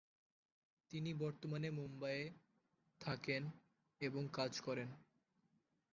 তিনি বর্তমানে মুম্বাইয়ে থাকেন এবং কাজ করেন।